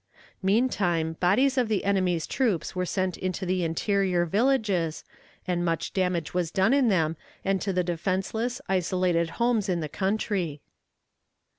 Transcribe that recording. Meantime, bodies of the enemy's troops were sent into the interior villages, and much damage was done in them, and to the defenseless, isolated homes in the country.